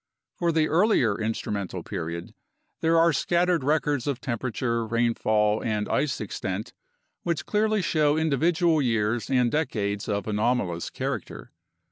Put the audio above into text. For the earlier instrumental period, there are scattered records of temperature, rainfall, and ice extent, which clearly show individual years and decades of anomalous character.